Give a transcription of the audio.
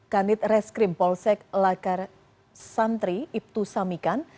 kanit reskrim polsek lakar santri ibtu samikan